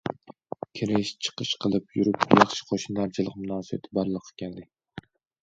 كىرىش- چىقىش قىلىپ يۈرۈپ ياخشى قوشنىدارچىلىق مۇناسىۋىتى بارلىققا كەلدى.